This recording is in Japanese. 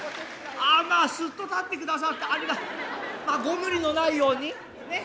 ああまあすっと立ってくださってまあご無理のないようにねえ。